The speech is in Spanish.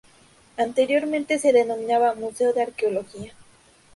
Anteriormente se denominaba Museo de Arqueología.